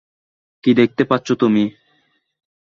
কী দেখতে পাচ্ছ তুমি?